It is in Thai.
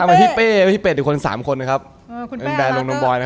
มีอะไรอยากจะพูดมั้ย